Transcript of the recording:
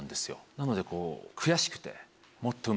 なのでこう悔しくて。